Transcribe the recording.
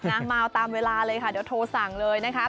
มาเอาตามเวลาเลยค่ะเดี๋ยวโทรสั่งเลยนะคะ